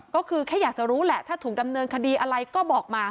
ก็คือแค่อยากจะรู้แหละถ้าถูกดำเนินคดีอะไรก็บอกมา